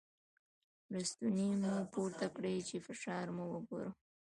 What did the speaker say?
ړستونی مو پورته کړی چې فشار مو وګورم.